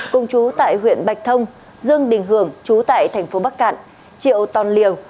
cùng chú tại huyện bạch thông dương đình hưởng chú tại thành phố bắc cạn triệu tồn liều